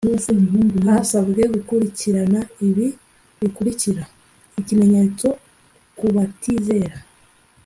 hasabwe gukurikirana ibi bikurikira kr ikimenyetso ku batizera